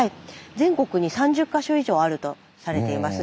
全国に３０か所以上あるとされています。